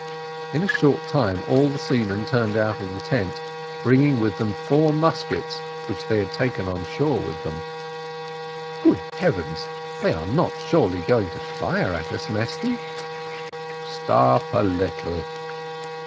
In a short time all the seamen turned out of the tent, bringing with them four muskets, which they had taken on shore with them. "Good heavens! they are not, surely, going to fire at us, Mesty." "Stop a little."